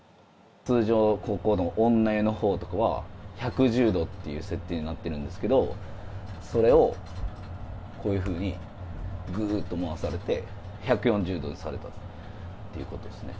通常、ここの女湯のほうとかは、１１０度っていう設定になってるんですけど、それをこういうふうにぐーっと回されて、１４０度にされてたっていうことですね。